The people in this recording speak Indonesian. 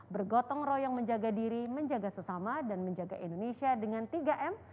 bergotong royong menjaga diri menjaga sesama dan menjaga indonesia dengan tiga m